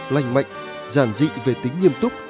lành mạnh giản dị về tính nghiêm túc